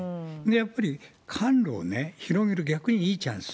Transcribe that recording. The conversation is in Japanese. やっぱり販路を広げる、逆にいいチャンス。